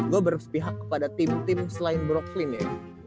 gue berpihak kepada tim tim selain broklin ya